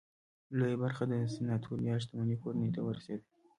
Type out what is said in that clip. لویه برخه د سناتوریال شتمنۍ کورنۍ ته ورسېده.